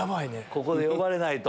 ここで呼ばれないと。